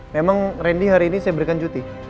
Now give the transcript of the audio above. memang randy hari ini saya berikan cuti